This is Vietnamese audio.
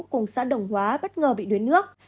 cùng xã đồng hóa bất ngờ bị đuối nước